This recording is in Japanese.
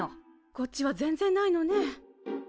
こっちは全然ないのね。